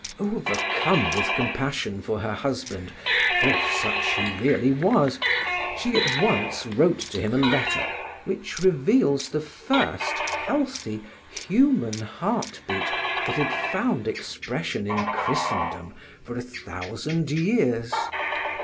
Overcome with compassion for her husband, for such he really was, she at once wrote to him a letter which reveals the first healthy human heart beat that had found expression in Christendom for a thousand years.